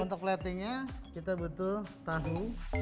untuk platingnya kita butuh tahu